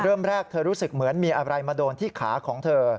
เริ่มแรกเธอรู้สึกเหมือนมีอะไรมาโดนที่ขาของเธอ